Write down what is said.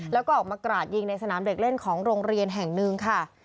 แล้วก็ออกมากราดยิงในสนามเด็กเล่นของโรงเรียนแห่งหนึ่งค่ะ